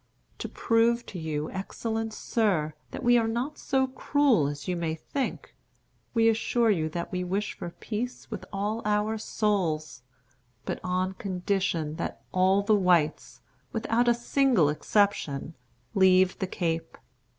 To prove to you, excellent sir, that we are not so cruel as you may think, we assure you that we wish for peace with all our souls; but on condition that all the whites, without a single exception, leave the Cape.